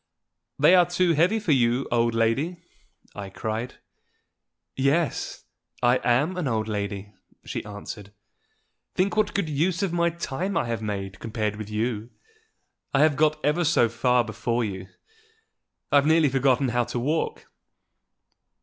"They are too heavy for you, old lady," I cried. "Yes; I am an old lady," she answered. "Think what good use of my time I have made compared with you! I have got ever so far before you: I've nearly forgotten how to walk!"